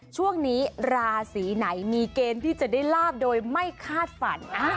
ช่วงนี้ราศีไหนมีเกณฑ์ที่จะได้ลาบโดยไม่คาดฝัน